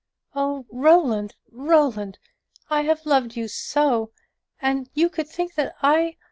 "Oh, Roland! Roland! I have loved you so and you could think that I